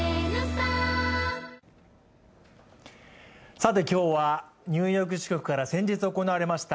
さて今日はニューヨーク支局から先月行われました